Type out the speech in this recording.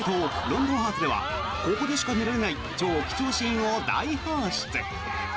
「ロンドンハーツ」ではここでしか見られない超貴重シーンを大放出。